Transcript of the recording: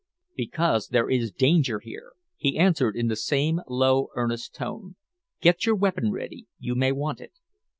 "Because there is danger here," he answered in the same low earnest tone. "Get your weapon ready. You may want it."